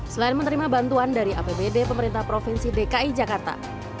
selain menerima bantuan dari apbd pemerintah provinsi dki jakarta